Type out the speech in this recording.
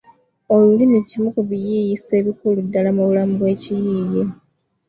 Olulimi kimu ku biyiiyiso ebikulu ddala mu bulamu bw’ekiyiiye.